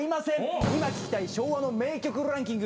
今聴きたい昭和の名曲ランキング